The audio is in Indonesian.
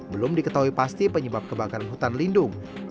belum diketahui pasti penyebab kebakaran hutan lindung